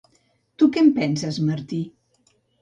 Tu què en penses, Martí?